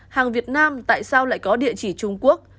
hàng việt nam tại sao lại có địa chỉ trung quốc